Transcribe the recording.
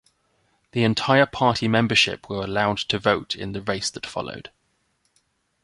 The entire party membership were allowed to vote in the race that followed.